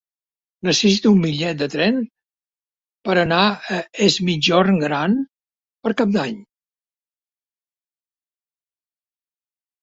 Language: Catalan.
Necessito un bitllet de tren per anar a Es Migjorn Gran per Cap d'Any.